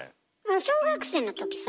小学生のときさ